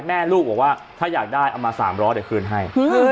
แม่ลูกบอกว่าถ้าอยากได้เอามา๓๐๐เดี๋ยวคืนให้